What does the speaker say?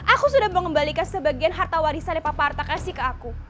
aku sudah mengembalikan sebagian harta warisan yang pak parta kasih ke aku